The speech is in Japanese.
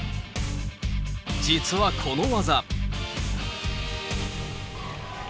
実はこの技。